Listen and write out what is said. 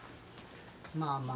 まあまあ。